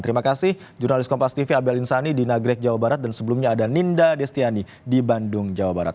terima kasih jurnalis kompas tv abel insani di nagrek jawa barat dan sebelumnya ada ninda destiani di bandung jawa barat